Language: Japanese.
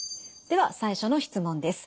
では最初の質問です。